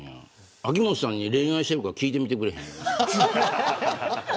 秋元さんに恋愛してるか聞いてみてくれへん。